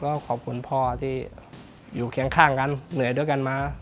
ก็ขอบคุณพ่อที่อยู่เคียงข้างกันเหนื่อยด้วยกันมา